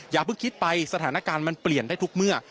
อย่าเพิ่งคิดไปสถานการณ์มันเปลี่ยนได้ทุกเมื่อ